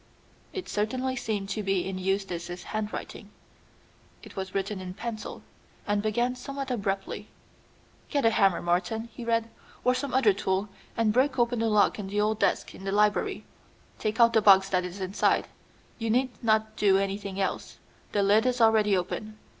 It certainly seemed to be in Eustace's handwriting. It was written in pencil, and began somewhat abruptly. "Get a hammer, Morton," he read, "or some other tool, and break open the lock in the old desk in the library. Take out the box that is inside. You need not do anything else. The lid is already open.